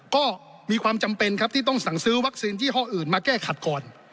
ก็มีความจำเป็นครับที่ต้องสั่งซื้อวัคซีนยี่ห้ออื่นมาแก้ขัดก่อน